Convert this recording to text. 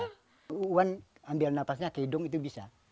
bu wan ambil napasnya ke hidung itu bisa